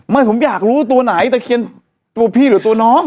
ไม่ผมอยากรู้ตัวไหนตะเคียนตัวพี่หรือตัวน้อง